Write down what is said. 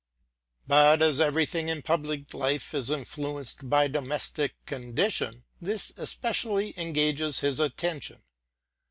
But as every thing in public life is influenced by domestic condition, this especially engages his attention.